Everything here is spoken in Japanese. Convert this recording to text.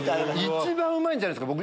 一番うまいんじゃないですか？